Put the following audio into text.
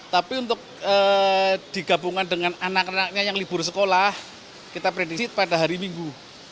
tapi untuk digabungkan dengan anak anaknya yang libur sekolah kita prediksi pada hari minggu